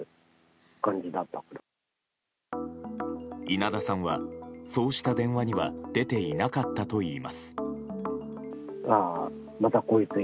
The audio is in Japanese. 稲田さんは、そうした電話には出ていなかったといいます。